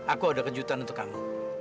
aku ada kejutan untuk kamu